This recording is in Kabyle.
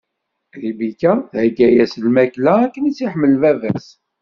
Ribika thegga-as lmakla akken i tt-iḥemmel baba-s.